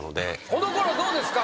このころどうですか？